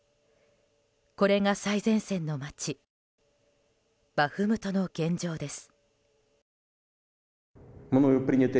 これが最前線の街バフムトの現状です。